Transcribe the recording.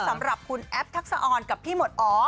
สำหรับคุณแอปทักษะออนกับพี่หมดอ๋อ